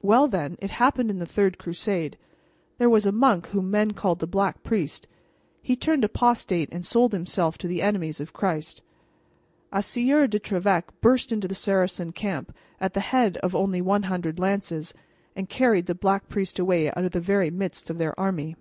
Well, then: It happened in the third crusade. There was a monk whom men called the Black Priest. He turned apostate, and sold himself to the enemies of Christ. A Sieur de Trevec burst into the Saracen camp, at the head of only one hundred lances, and carried the Black Priest away out of the very midst of their army."